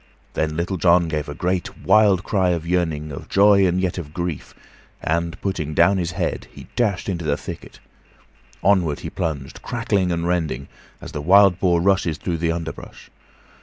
Then Little John gave a great, wild cry of yearning, of joy, and yet of grief, and, putting down his head, he dashed into the thicket. Onward he plunged, crackling and rending, as the wild boar rushes through the underbrush.